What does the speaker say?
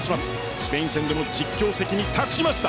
スペイン戦でも実況席に立ちました。